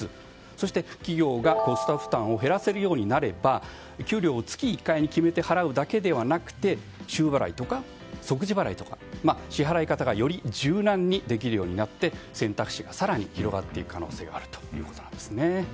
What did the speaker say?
そして、企業がコスト負担を減らせるようになれば給料を月１回に決めて払うだけではなくて週払いとか即時払いとか支払い方がより柔軟にできるようになって選択肢が更に広がっていく可能性があるということなんです。